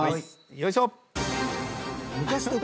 よいしょ！